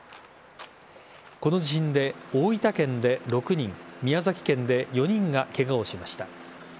この地震で大分県で６人宮崎県で４人がケガをしました。